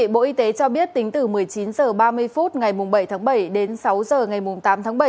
bộ y tế cho biết tính từ một mươi chín h ba mươi phút ngày bảy tháng bảy đến sáu h ngày tám tháng bảy